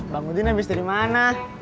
bang udin habis dari mana